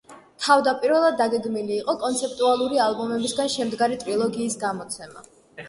თავდაპირველად დაგეგმილი იყო კონცეპტუალური ალბომებისგან შემდგარი ტრილოგიის გამოცემა.